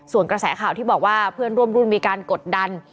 ส่วนกระแสข่าวที่บอกว่าเพื่อนร่วมรุ่นมีการกดดัน